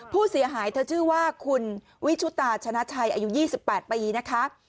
ผู้เสียหายเธอชื่อว่าคุณวิชุตาชนะชัยอายุ๒๘ปีนะคะ